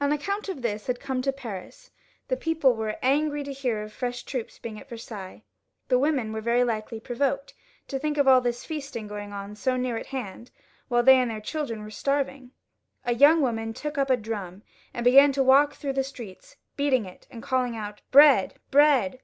An account of this had come to Paris. The people were angry to hear of fresh troops being at Versailles. The women were very likely provoked to think of all this feasting going on so near at hand, whHe they and their chUdren were starving. A young woman took up a drum and began to walk through the streets, beating it and calling out, " Bread ! bread